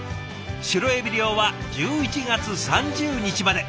シロエビ漁は１１月３０日まで。